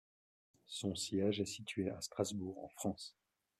Son siège est situé à Strasbourg en France.